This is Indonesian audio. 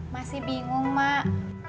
masih bingung mak